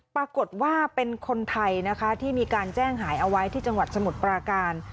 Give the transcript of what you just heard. ปรากฏว่าเป็นคนไทยนะคะที่มีการแจ้งหายเอาไว้ที่จังหวัดสมุทรปราการ